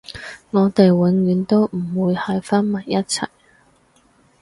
我哋永遠都唔會喺返埋一齊